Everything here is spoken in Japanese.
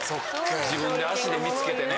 自分の足で見つけてね。